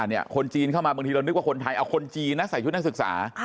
คนจีนเข้ามาบางทีเรานึกว่าคนไทยเอาคนจีนนะใส่ชุดนักศึกษา